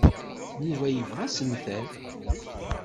Yuba yebɣa assemter.